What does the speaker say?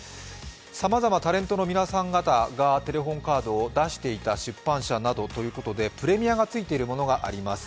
さまざまタレントの皆さん方が出していた出版社などということでプレミアがついているものもあります。